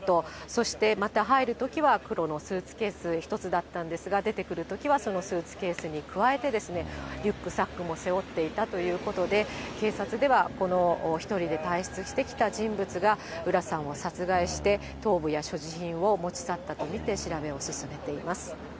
そして、また入るときは黒のスーツケース１つだったんですが、出てくるときはそのスーツケースに加えて、リュックサックも背負っていたということで、警察では、この１人で退室してきた人物が浦さんを殺害して、頭部や所持品を持ち去ったと見て調べを進めています。